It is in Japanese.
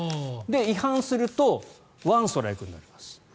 違反すると１ストライクになります。